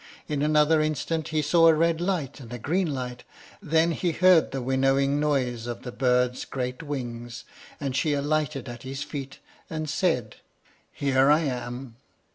In another instant he saw a red light and a green light, then he heard the winnowing noise of the bird's great wings, and she alighted at his feet, and said, "Here I am."